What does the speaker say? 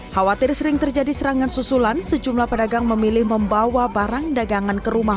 khawatir sering terjadi serangan susulan sejumlah pedagang memilih membawa barang dagangan ke rumah